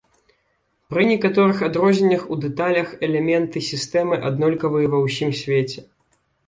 Пры некаторых адрозненнях у дэталях, элементы сістэмы аднолькавыя ва ўсім свеце.